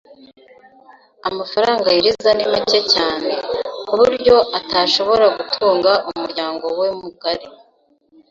Amafaranga yinjiza ni make cyane. ku buryo atashobora gutunga umuryango we mugari .